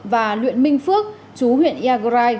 và luyện minh phước chú huyện eagrai